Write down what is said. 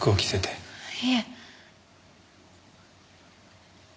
いえ。